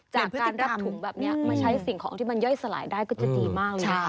จากการรับถุงแบบนี้มาใช้สิ่งของที่มันย่อยสลายได้ก็จะดีมากเลยนะ